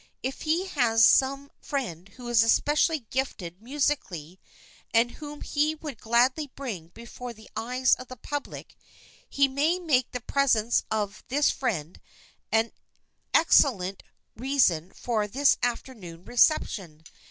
If he have some friend who is especially gifted musically, and whom he would gladly bring before the eyes of the public, he may make the presence of this friend an excellent reason for this afternoon reception.